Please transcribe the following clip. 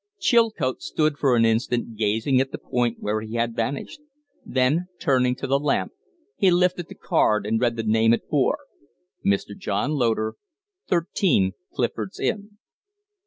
Chilcote stood for an instant gazing at the point where he had vanished; then, turning to the lamp, he lifted the card and read the name it bore: "Mr. John Loder, 13 Clifford's Inn."